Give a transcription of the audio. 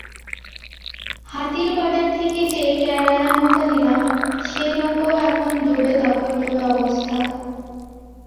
হাতির বাজার থেকে যে-কেরায়া নৌকা নিলাম সেনৌকাও এখন ডোবে তখন ডোবে অবস্থা।